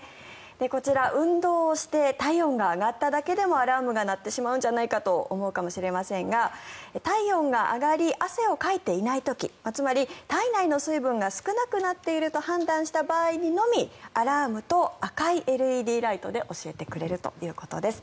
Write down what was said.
こちら、運動をして体温が上がっただけでもアラームが鳴ってしまうんじゃないかと思うかもしれませんが体温が上がり汗をかいていない時つまり、体内の水分が少なくなっていると判断した場合のみアラームと赤いＬＥＤライトで教えてくれるということです。